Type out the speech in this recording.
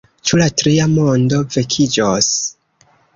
Ĉu la Tria Mondo vekiĝos?